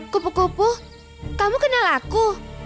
kupu kupu kamu kenal aku